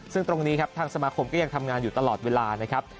ซึ่งตรงนี้ครับทางสมาคมก็ยังทำงานอยู่ตลอดเวลานะครับ